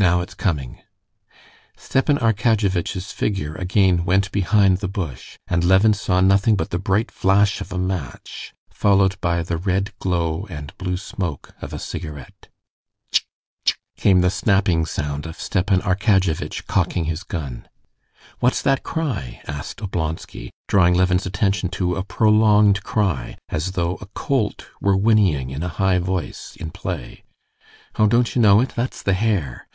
"Now it's coming!" Stepan Arkadyevitch's figure again went behind the bush, and Levin saw nothing but the bright flash of a match, followed by the red glow and blue smoke of a cigarette. "Tchk! tchk!" came the snapping sound of Stepan Arkadyevitch cocking his gun. "What's that cry?" asked Oblonsky, drawing Levin's attention to a prolonged cry, as though a colt were whinnying in a high voice, in play. "Oh, don't you know it? That's the hare.